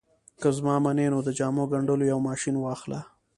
که زما منې نو د جامو ګنډلو یو ماشين واخله